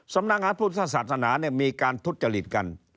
สำนักงานพุทธศาสนามีการทุจริตกัน